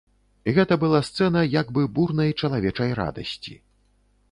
Гэта была сцэна як бы бурнай чалавечай радасці.